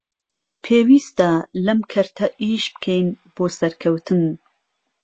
پێویستە لەم کەرتە ئیش بکەین بۆ سەرکەوتن